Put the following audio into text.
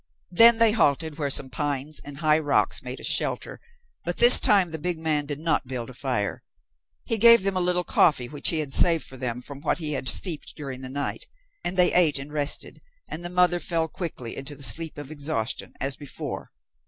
Then they halted where some pines and high rocks made a shelter, but this time the big man did not build a fire. He gave them a little coffee which he had saved for them from what he had steeped during the night, and they ate and rested, and the mother fell quickly into the sleep of exhaustion, as before.